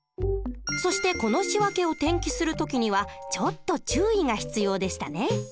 そしてこの仕訳を転記する時にはちょっと注意が必要でしたね？